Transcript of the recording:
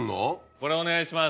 これお願いします。